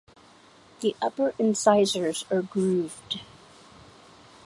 The upper incisors are grooved.